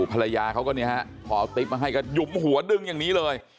ภรรยาเขาก็เนี่ยฮะพอเอาติ๊บมาให้ก็หยุมหัวดึงอย่างนี้เลย